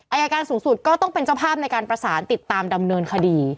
อายการสูงสุดก็ต้องเป็นเจ้าภาพในการประสานติดตามดำเนินคดี